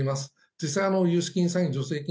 実際、融資金詐欺、助成金